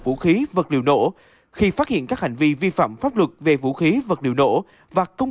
vũ khí vật liệu nổ khi phát hiện các hành vi vi phạm pháp luật về vũ khí vật liệu nổ và công